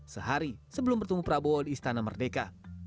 sehari sebelum bertemu prabowo di istana merdeka